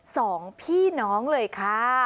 สองพี่น้องเลยค่ะ